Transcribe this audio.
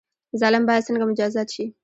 ظالم باید څنګه مجازات شي؟